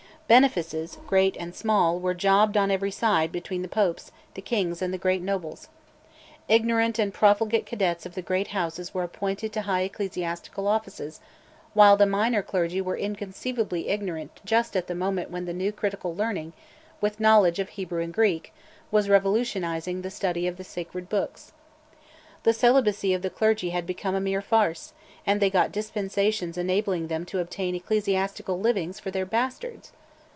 Benefices, great and small, were jobbed on every side between the popes, the kings, and the great nobles. Ignorant and profligate cadets of the great houses were appointed to high ecclesiastical offices, while the minor clergy were inconceivably ignorant just at the moment when the new critical learning, with knowledge of Hebrew and Greek, was revolutionising the study of the sacred books. The celibacy of the clergy had become a mere farce; and they got dispensations enabling them to obtain ecclesiastical livings for their bastards.